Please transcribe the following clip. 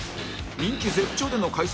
人気絶頂での解散